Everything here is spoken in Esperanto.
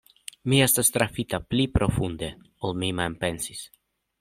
Mi estas trafita pli profunde, ol mi mem pensis.